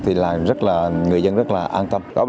thì người dân rất là an tâm